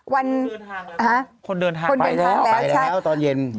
วันคนเดินทางไปแล้วไปแล้วตอนเย็น